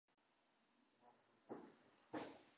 熊本県津奈木町